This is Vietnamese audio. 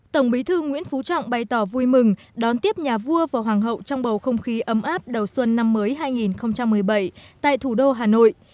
tổng bí thư nguyễn phú trọng bày tỏ vui mừng đón tiếp nhà vua và hoàng hậu trong bầu không khí ấm áp đầu xuân năm mới hai nghìn một mươi bảy tại thủ đô hà nội